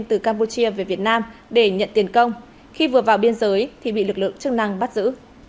từ campuchia về việt nam để nhận tiền công khi vừa vào biên giới thì bị lực lượng chức năng bắt giữ